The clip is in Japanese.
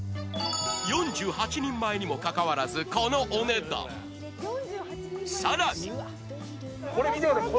４８人前にもかかわらずこのお値段さらにこれ見てください